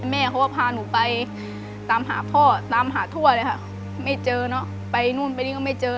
แม่เขาก็พาหนูไปตามหาพ่อตามหาทั่วเลยค่ะไม่เจอเนอะไปนู่นไปนี่ก็ไม่เจอ